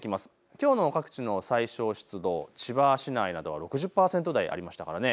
きょうの各地の最小湿度千葉市内などは６０％台ありました。